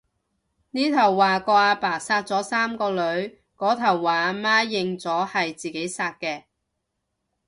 呢頭話個阿爸殺咗三個女，嗰頭話個阿媽認咗係自己殺嘅